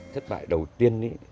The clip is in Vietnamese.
thất bại đầu tiên ý